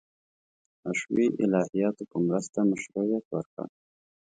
حشوي الهیاتو په مرسته مشروعیت ورکړ.